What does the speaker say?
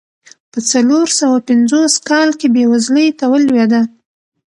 په څلور سوه پنځوس کال کې بېوزلۍ ته ولوېده.